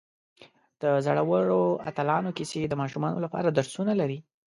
د زړورو اتلانو کیسې د ماشومانو لپاره درسونه لري.